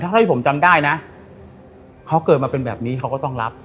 ถ้าที่ผมจำได้นะเขาเกิดมาเป็นแบบนี้เขาก็ต้องรับ